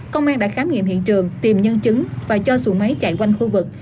công an đã khám nghiệm hiện trường tìm nhân chứng và cho xuồng máy chạy quanh khu vực